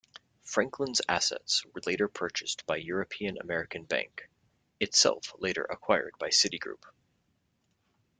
Franklin's assets were later purchased by European American Bank, itself later acquired by Citigroup.